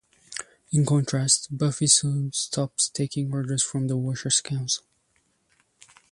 In contrast, Buffy soon stops taking orders from the Watchers' Council.